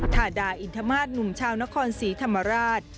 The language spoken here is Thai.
ทาดาอินทมาสหนุ่มชาวนครศรีธรรมราช